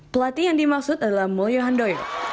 pelatih yang dimaksud adalah moyo handoyo